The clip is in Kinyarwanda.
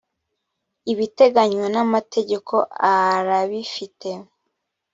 ibiteganywa namategeko arabifite.